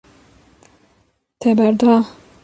Te berda.